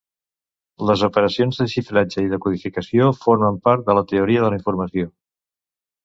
Les operacions de xifratge i de codificació formen part de la teoria de la informació.